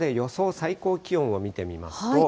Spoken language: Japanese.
最高気温を見てみます